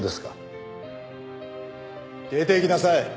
出ていきなさい。